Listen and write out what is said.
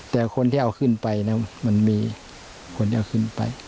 แต่คนที่เอาขึ้นไปมันมีคนจะเอาขึ้นไป